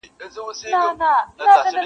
o خو یو وخت څارنوال پوه په ټول داستان سو,